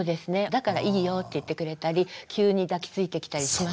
だからいいよって言ってくれたり急に抱きついてきたりしますよ。